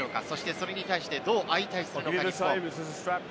それに対してどう相対するのか、日本。